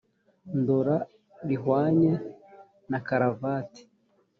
Ndora rihwanye na karavati